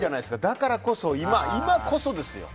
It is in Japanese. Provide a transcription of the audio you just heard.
だからこそ今こそですよ。